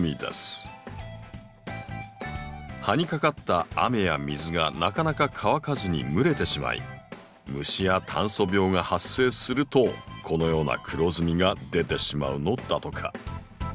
葉にかかった雨や水がなかなか乾かずに蒸れてしまい虫や炭疽病が発生するとこのような黒ずみが出てしまうのだとか。